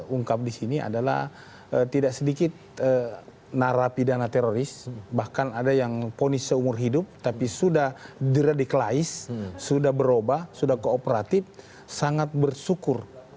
ungkap di sini adalah tidak sedikit narapidana teroris bahkan ada yang ponis seumur hidup tapi sudah diradiklize sudah berubah sudah kooperatif sangat bersyukur